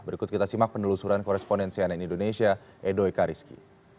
berikut kita simak penelusuran korespondensi ann indonesia edo ekariski